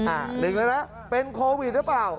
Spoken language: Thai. หนึ่งแล้วนะเป็นโควิดหรือเปล่า